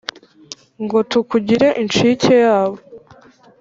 ngo tukugire inshike yabo?